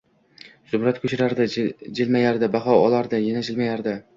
Zumrad ko‘chirardi, jilmayardi, baho olardi, yana jilmayardi.